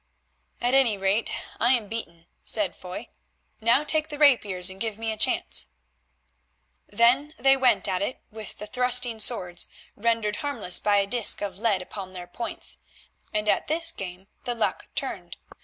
"At any rate I am beaten," said Foy; "now take the rapiers and give me a chance." Then they went at it with the thrusting swords, rendered harmless by a disc of lead upon their points, and at this game the luck turned.